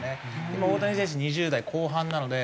今大谷選手２０代後半なので。